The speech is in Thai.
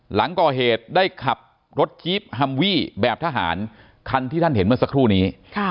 หลังก่อเหตุได้ขับรถจี๊บฮัมวี่แบบทหารคันที่ท่านเห็นเมื่อสักครู่นี้